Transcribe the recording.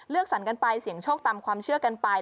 สรรกันไปเสี่ยงโชคตามความเชื่อกันไป